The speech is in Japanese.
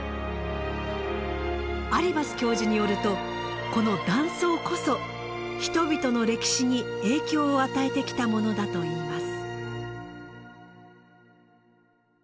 アリバス教授によるとこの断層こそ人々の歴史に影響を与えてきたものだといいます。